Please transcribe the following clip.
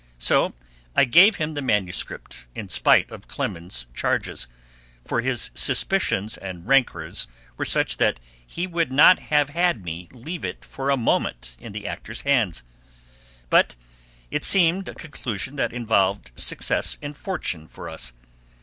So I gave him the manuscript, in spite of Clemens's charges, for his suspicions and rancors were such that he would not have had me leave it for a moment in the actor's hands. But it seemed a conclusion that involved success and fortune for us.